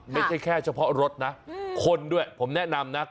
ไม่ใช่แค่เฉพาะรถนะคนด้วยผมแนะนำนะ